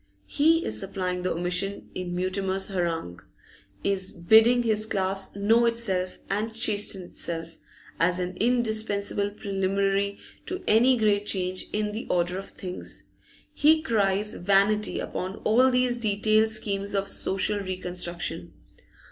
He is supplying the omission in Mutimer's harangue, is bidding his class know itself and chasten itself, as an indispensable preliminary to any great change in the order of things. He cries vanity upon all these detailed schemes of social reconstruction.